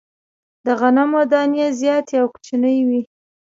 د غنمو دانې زیاتي او کوچنۍ وې.